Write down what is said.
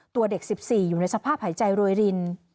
ตัวเด็ก๑๔อยู่ในสภาพหายใจรวยริน